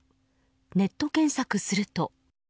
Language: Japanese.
ネット検索すると。